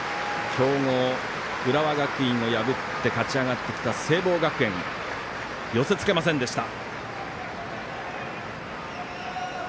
強豪、浦和学院を破って勝ち上がってきた聖望学園、寄せつけませんでした。